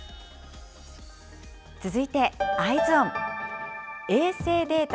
続いてＥｙｅｓｏｎ。